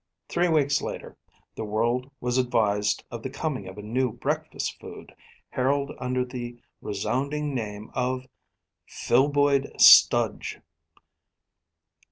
Three weeks later the world was advised of the coming of a new breakfast food, heralded under the resounding name of "Filboid Studge."